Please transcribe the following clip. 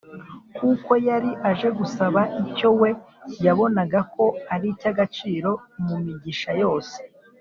kuko yari aje gusaba icyo we yabonaga ko ari icy’agaciro mu migisha yose